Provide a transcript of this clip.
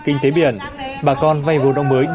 kinh tế biển bà con vay vô động mới